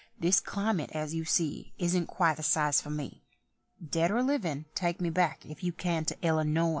This climate—as you see— Isn't quite the size for me; Dead or livin', take me back if you can to Ellanoy!"